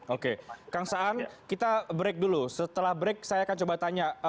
oke kang saan kita break dulu setelah break saya akan coba tanya